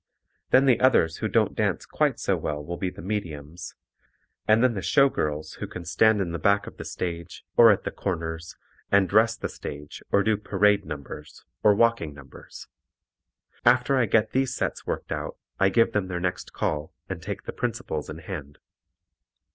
Then the others who don't dance quite so well will be the mediums, and then the show girls who can stand in the back of the stage, or at the corners, and dress the stage or do "parade numbers," or walking numbers. After I get these sets worked out I give them their next call and take the principals in hand.